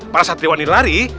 para satriwan ini lari